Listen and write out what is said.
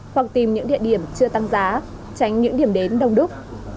hoặc tìm những địa điểm chưa tăng giá tránh những điểm đến đông đúc